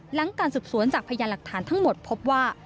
หลังการสืบสวนจากพยานหลักฐานทั้งหมดพบว่า